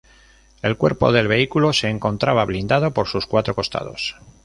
El cuerpo del vehículo se encontraba blindado por sus cuatro costados.